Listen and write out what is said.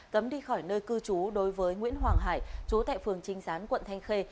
cấm đi khỏi nơi cư trú đối với nguyễn hoàng hải chú tại phường trinh gián quận thanh khê